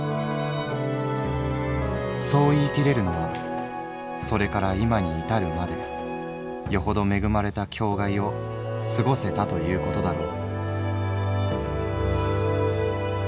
「そう言いきれるのはそれから今に至るまでよほど恵まれた境涯を過ごせたということだろう」。